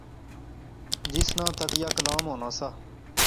جس نا تکیہ کلام ہونا سا